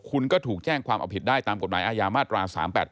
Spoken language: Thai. คุณก็ถูกแจ้งความเอาผิดได้ตามกฎหมายอาญามาตรา๓๘๘